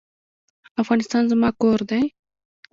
افغانستان زما کور دی؟